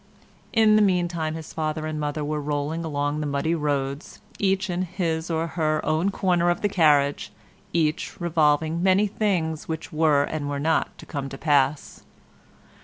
In the meantime his father and mother were rolling along the muddy roads, each in his or her own corner of the carriage, and each revolving many things which were and were not to come to pass.